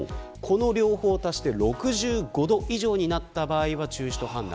両方を足して６５度以上になった場合は中止と判断。